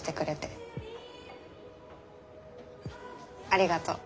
ありがとう。